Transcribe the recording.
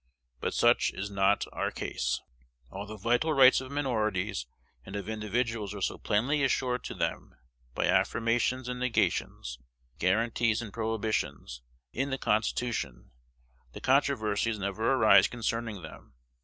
But such is not our case. All the vital rights of minorities and of individuals are so plainly assured to them by affirmations and negations, guaranties and prohibitions, in the Constitution, that controversies never arise concerning them.